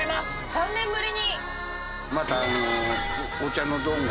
３年ぶりに。